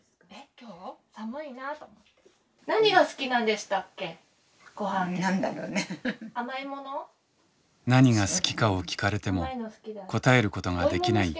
何が好きかを聞かれても答えることができない恵子さん。